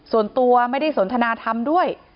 ส่วนตัวไม่ได้สนทนาธรรมด้วย